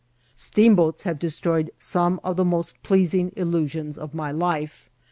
Steamboats have destroyed some of the most plea»> ing illusions of my life.